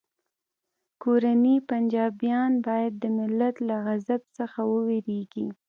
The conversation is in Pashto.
کورني پنجابیان باید د ملت له غضب څخه وویریږي